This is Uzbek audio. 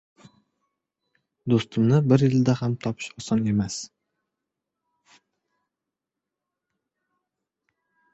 • Do‘stni bir yilda ham topish oson emas